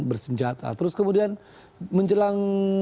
bersenjata terus kemudian menjelang